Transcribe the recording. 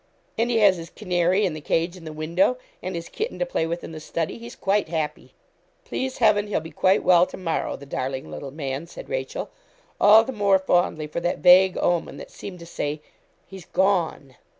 And he has his canary in the cage in the window, and his kitten to play with in the study. He's quite happy.' 'Please Heaven, he'll be quite well to morrow the darling little man,' said Rachel, all the more fondly for that vague omen that seemed to say, 'He's gone.'